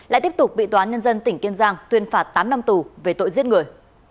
lại tiếp tục bị toán nhân dân tỉnh kiên giang tuyên phạt tám năm tù về tội giết người